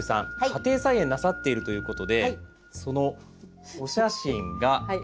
家庭菜園なさっているということでそのお写真がこちら。